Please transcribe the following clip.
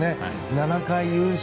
７回優勝。